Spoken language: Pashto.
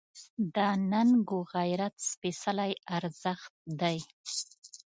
دا ننګ و غیرت سپېڅلی ارزښت دی.